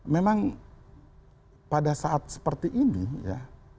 memang pada saat seperti ini ya